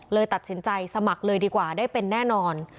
เลยตัดสินใจสมัครเลยดีกว่าได้เป็นแน่นอน